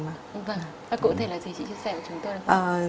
và cụ thể là gì chị chia sẻ với chúng tôi